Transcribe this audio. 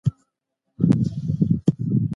د وینې شکر لوړه کچه د روغتیا ستونزې رامنځته کوي.